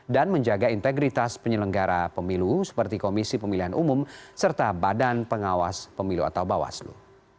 dan menjaga integritas penyelenggara pemilu seperti komisi pemilihan umum serta badan pengawas pemilu atau bawaslu